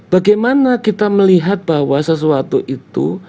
bagaimana kita melihat bahwa sesuatu itu